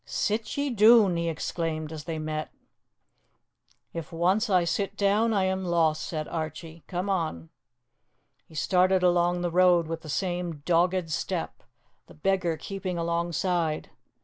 "Sit ye doon," he exclaimed, as they met. "If once I sit down I am lost," said Archie. "Come on." He started along the road with the same dogged step, the beggar keeping alongside.